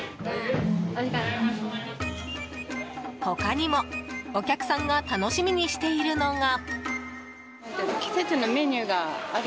他にも、お客さんが楽しみにしているのが。